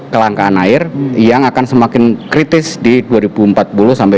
kelangkaan air yang akan semakin kritis di dua ribu empat puluh sampai dua ribu sembilan belas